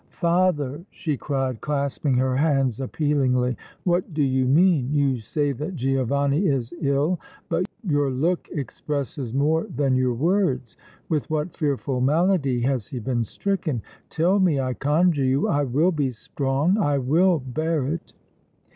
"Father!" she cried, clasping her hands appealingly, "what do you mean? You say that Giovanni is ill, but your look expresses more than your words! With what fearful malady has he been stricken? Tell me, I conjure you! I will be strong I will bear it!"